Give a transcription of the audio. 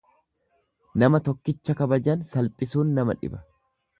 Nama tokkicha kabajan salphisuun nama dhiba.